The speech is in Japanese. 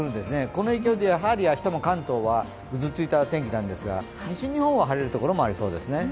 この影響で明日も関東はぐずついた天気なんですが西日本は晴れる所もあるようです。